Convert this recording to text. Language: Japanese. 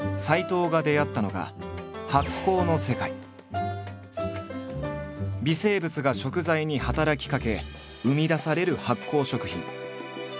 藤が出会ったのが微生物が食材に働きかけ生み出される発酵食品。